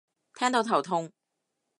聽到頭痛